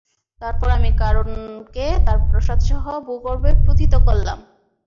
তারপর আমি কারূনকে তার প্রাসাদসহ ভূগর্ভে প্রোথিত করলাম।